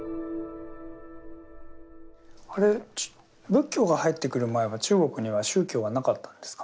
あれ仏教が入ってくる前は中国には宗教はなかったんですか？